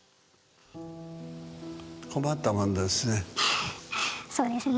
困ったもんですね。